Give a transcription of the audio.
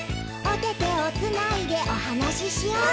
「おててをつないでおはなししよう」